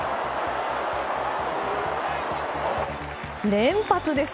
連発です。